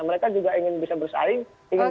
mereka juga ingin bisa bersaing ingin